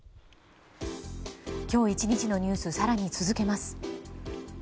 今日１日のニュース更に続けます。